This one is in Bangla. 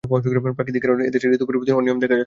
প্রাকৃতিক কারণে এদেশের ঋতু পরিবর্তনে অনিয়ম দেখা দিয়েছে।